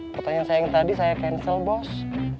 pertanyaan saya yang tadi saya cancel bos